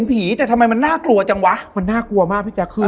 เขาก็บอกว่า